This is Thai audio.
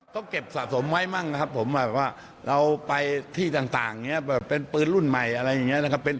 ต้องเก็บสะสมไว้บ้างนะครับผมเราไปที่ต่างเป็นปืนรุ่นใหม่อะไรอย่างงี้นะครับ